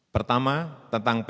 pertama tentang pkh